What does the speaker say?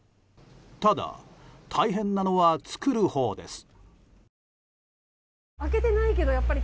ただ、大変なのは作るほうです。